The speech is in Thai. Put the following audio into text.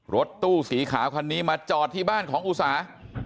รถตู้สีขาวคันนี้มาจอดที่บ้านของอุสา